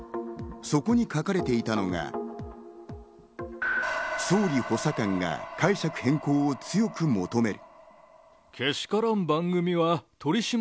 そこに書かれていたのが、総理補佐官が解釈変更を強く求める。